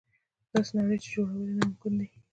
داسې نړۍ چې جوړول یې ناممکن نه دي.